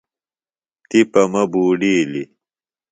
تِپہ مہ بوڈِیلیۡ